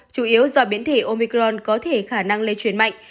chủ yếu do biến thể omicron có thể khả năng lây truyền mạnh